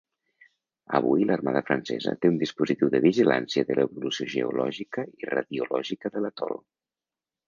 Avui l'armada francesa té un dispositiu de vigilància de l'evolució geològica i radiològica de l'atol.